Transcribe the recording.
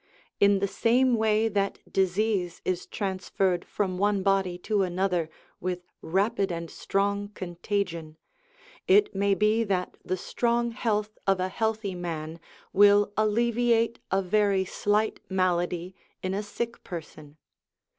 In the same way that disease is trans ferred from one body to another with rapid and strong contagion, it may be that the strong health of a healthy man will alleviate a very slight malady in a sick person.